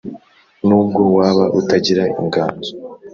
nubwo waba utagira inganzo